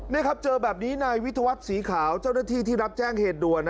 นี่ครับเจอแบบนี้นายวิทวาสสีขาว